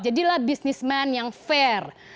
jadilah businessman yang fair